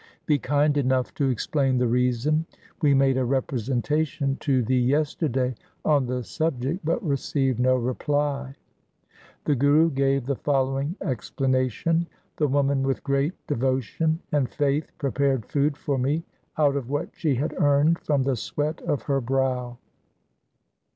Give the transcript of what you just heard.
Be kind enough to explain the reason. We made a representation to thee yesterday on the subject but received no reply.' The Guru gave the following explanation —' The woman with great devotion and faith prepared food for me out of what she had earned from the sweat of her brow.